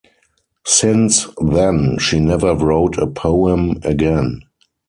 Since then she never wrote a poem again.